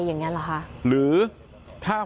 ฐานพระพุทธรูปทองคำ